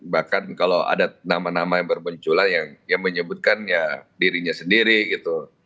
bahkan kalau ada nama nama yang bermunculan yang menyebutkan ya dirinya sendiri gitu